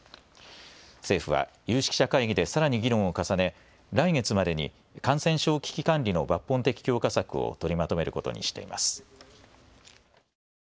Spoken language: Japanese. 政府は有識者会議でさらに議論を重ね、来月までに感染症危機管理の抜本的強化策を取りまとめることにしています。